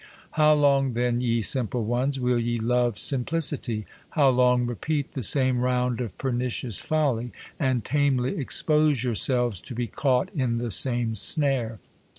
" How long then, ye simple ones! will ye love sim plicity ?" How long repeat the same round of perni cious 40 THE COLUMBIAN ORATOR. cious folly, and tamely expose yourselves to be caught in the same snare